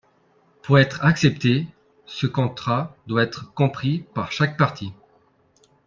Pour être accepté, ce contrat doit être compris par chaque partie.